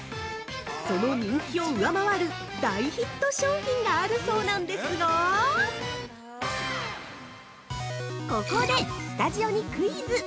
その人気を上回る大ヒット商品があるそうなんですがここでスタジオにクイズ！